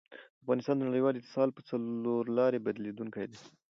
افغانستان د نړیوال اتصال په څلورلاري بدلېدونکی دی.